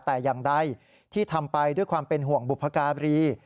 แต่อย่างใดที่ทำไปด้วยความเป็นห่วงบุพการี